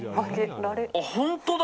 本当だ。